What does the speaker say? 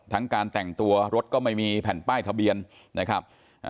การแต่งตัวรถก็ไม่มีแผ่นป้ายทะเบียนนะครับ